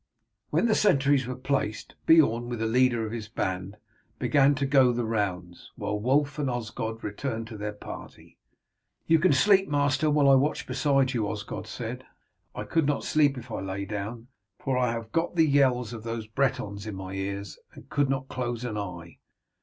When the sentries were placed, Beorn, with the leader of his band, began to go the rounds, while Wulf and Osgod returned to their party. "You can sleep, master, while I watch beside you," Osgod said. "I could not sleep if I lay down, for I have got the yells of those Bretons in my ears, and could not close an eye."